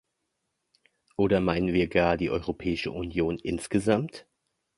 Oder meinen wir gar die Europäische Union insgesamt?